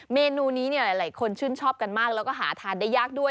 เมนูนี้หลายคนชื่นชอบกันมากแล้วก็หาทานได้ยากด้วย